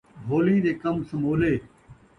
بھولیں دے کم سمولے